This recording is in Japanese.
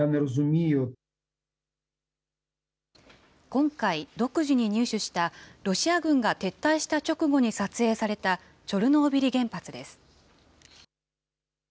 今回、独自に入手した、ロシア軍が撤退した直後に撮影されたチョルノービリ原発です。